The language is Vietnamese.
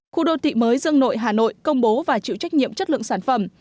khu đô thị mới dương nội hà nội công bố và chịu trách nhiệm chất lượng sản phẩm